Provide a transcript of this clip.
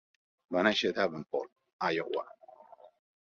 Va néixer a Davenport, Iowa.